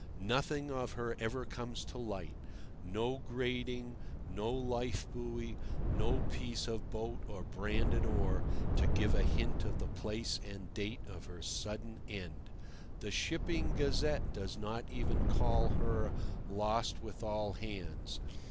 Nothing of her ever comes to light—no grating, no lifebuoy, no piece of boat or branded oar—to give a hint of the place and date of her sudden end. The Shipping Gazette does not even call her "lost with all hands."